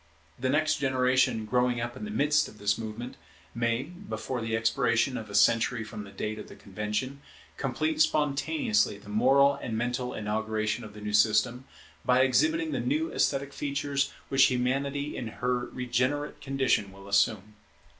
The next generation, growing up in the midst of this movement, may, before the expiration of a century from the date of the Convention, complete spontaneously the moral and mental inauguration of the new system, by exhibiting the new esthetic features which Humanity in her regenerate condition will assume.